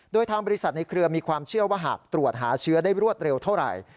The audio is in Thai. โดยทางบริษัทในเครือมีความเชื่อว่าหากตรวจหาเชื้อได้รวดเร็วเท่าไหร่